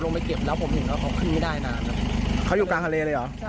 ไปเก็บแล้วผมเห็นว่าเขาขึ้นไม่ได้นานครับเขาอยู่กลางทะเลเลยเหรอ